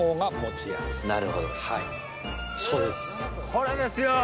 これですよ！